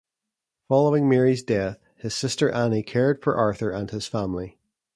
Following Mary's death his sister Annie cared for Arthur and his family.